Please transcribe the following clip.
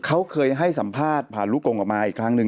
เขาเคยให้สัมภาษณ์ผ่านลูกกงออกมาอีกครั้งหนึ่ง